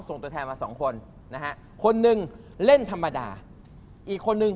เออนะฮะอ่าคิดว่าจะส่งใครมาเล่นดีฮะ